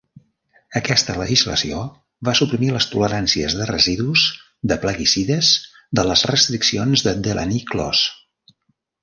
Aquesta legislació va suprimir les toleràncies de residus de plaguicides de les restriccions de Delaney Clause.